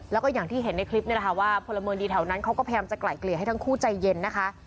แล้วก็อย่างที่เห็นในคลิปนี่แหละค่ะว่าพลเมืองดีแถวนั้นเขาก็พยายามจะไกลเกลี่ยให้ทั้งคู่ใจเย็นนะคะ